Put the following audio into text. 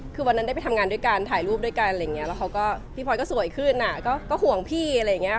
คือวันนั้นได้ไปทำงานด้วยกันถ่ายรูปด้วยกันพี่พลอยก็สวยขึ้นอะก็ห่วงพี่อะไรอย่างนี้ค่ะ